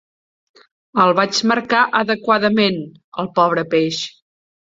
El vaig marcar adequadament, el pobre peix.